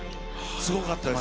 すごかったです。